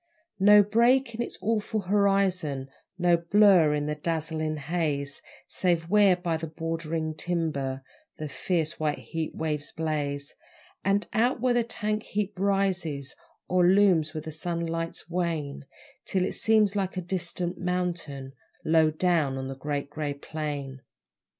No break in its awful horizon, No blur in the dazzling haze, Save where by the bordering timber The fierce, white heat waves blaze, And out where the tank heap rises Or looms when the sunlights wane, Till it seems like a distant mountain Low down on the Great Grey Plain.